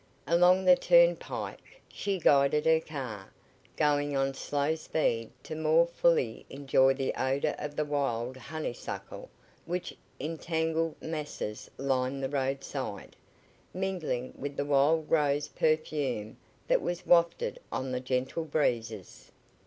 Along the turnpike she guided her car, going on slow speed to more fully enjoy the odor of the wild honeysuckle which in tangled masses lined the roadside, mingling with the wild rose perfume that was wafted on the gentle breezes.